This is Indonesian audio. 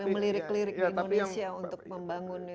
melirik lirik di indonesia untuk membangun